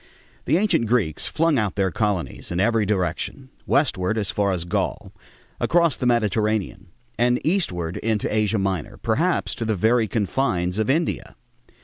The ancient Greeks flung out their colonies in every direction, westward as far as Gaul, across the Mediterranean, and eastward into Asia Minor, perhaps to the very confines of India.